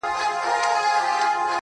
نذرانه مو غبرګي سترګي ورلېږلي -